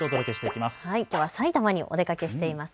きょうは埼玉にお出かけしています。